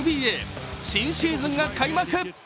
新シーズンが開幕。